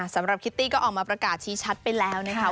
คิตตี้ก็ออกมาประกาศชี้ชัดไปแล้วนะคะ